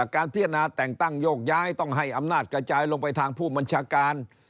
การพิจารณาแต่งตั้งโยกย้ายต้องให้อำนาจกระจายลงไปทางผู้บัญชาการ